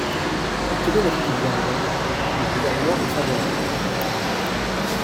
Quel est l’avis du Gouvernement ? Le Gouvernement est favorable.